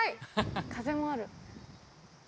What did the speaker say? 風もある。